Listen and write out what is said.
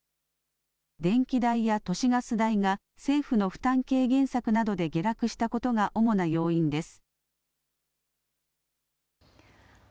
電気代や都市ガス代が政府の負担軽減策などで下落したことが主な要因です。